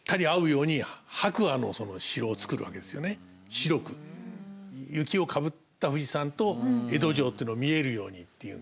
白く雪をかぶった富士山と江戸城というの見えるようにっていうんで。